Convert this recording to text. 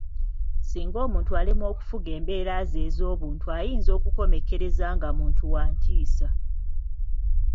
Singa omuntu alemwa okufuga embeera ze ez'obuntu ayinza okukomekkereza nga muntu wa ntiisa